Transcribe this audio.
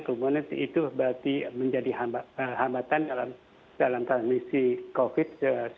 kerumunan itu berarti menjadi hambatan dalam transmisi covid sembilan belas